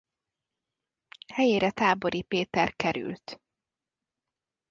Helyére Tábori Péter került.